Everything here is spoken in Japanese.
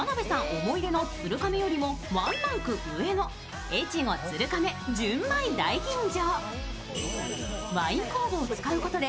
思い出の鶴亀よりもワンランク上の越後鶴亀純米大吟醸。